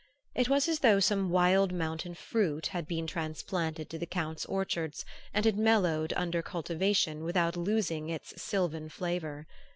It was as though some wild mountain fruit had been transplanted to the Count's orchards and had mellowed under cultivation without losing its sylvan flavor.